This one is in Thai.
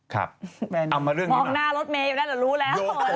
ครับเอามาเรื่องนี้มาโยโกมีอะไรอ่ะสิคเซ็นต์เหรอ